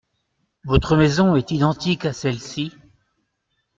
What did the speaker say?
Votre maison est identique à celle-ci ?